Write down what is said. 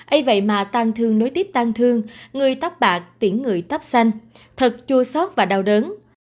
ây vậy mà tan thương nối tiếp tan thương người tắp bạc tiễn người tắp xanh thật chua sót và đau đớn